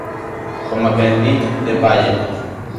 Coma quen di, de palla.